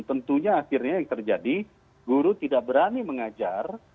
tentunya akhirnya yang terjadi guru tidak berani mengajar